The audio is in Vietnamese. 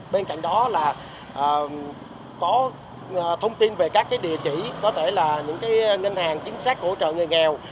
bên cạnh đó là có thông tin về các địa chỉ có thể là những ngân hàng chính xác hỗ trợ người nghèo